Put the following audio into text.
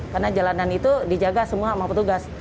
karena jalanan itu dijaga semua sama petugas